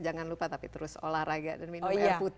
jangan lupa tapi terus olahraga dan minum air putih